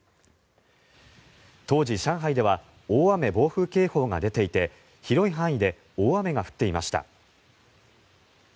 当時、上海では大雨・暴風警報が出ていて広い範囲で大雨が降っていました。